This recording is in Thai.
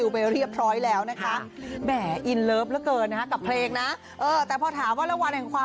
เพราะว่าร้องเครกประกอบแนะ